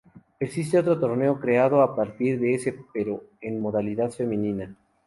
Existe otro torneo creado a partir de este pero en modalidad femenina.